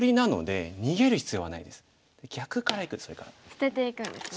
捨てていくんですね。